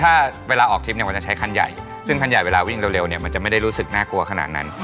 ถ้าออกทริปจะใช้คันใหญ่ซึ่งคันใหญ่เวลาวิ่งเร็วมันจะไม่ได้รู้สึกน่ากลัวขนาดนั้น